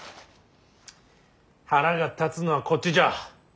腹が立つのはこっちじゃ。